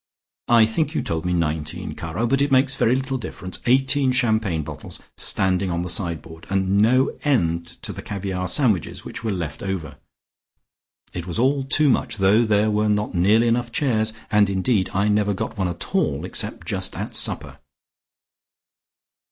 "I think you told me nineteen, caro, but it makes very little difference. Eighteen empty champagne bottles standing on the sideboard, and no end to the caviare sandwiches which were left over. It was all too much, though there were not nearly enough chairs, and indeed I never got one at all except just at supper."